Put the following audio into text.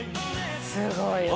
すごいわ。